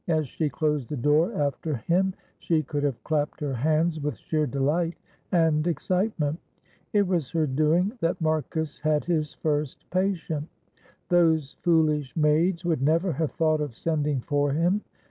As she closed the door after him, she could have clapped her hands with sheer delight and excitement. It was her doing that Marcus had his first patient. Those foolish maids would never have thought of sending for him.